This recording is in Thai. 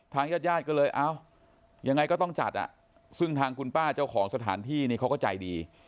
ญาติญาติก็เลยเอ้ายังไงก็ต้องจัดซึ่งทางคุณป้าเจ้าของสถานที่นี่เขาก็ใจดี